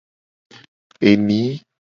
Eni.